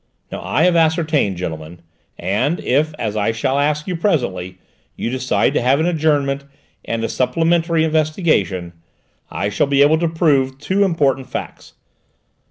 "Now I have ascertained, gentlemen, and if, as I shall ask you presently, you decide to have an adjournment and a supplementary investigation I shall be able to prove two important facts.